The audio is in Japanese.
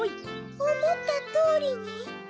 おもったとおりに？